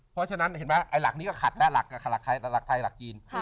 เพราะฉะนั้นเห็นไหมไอ้หลักนี้ก็ขัดแล้วหลักไทยหลักจีน